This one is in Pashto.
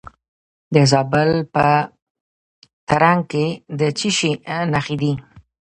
د زابل په ترنک کې د څه شي نښې دي؟